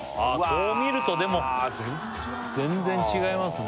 こう見るとでも全然違うな全然違いますね